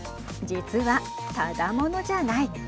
実はただ者じゃない。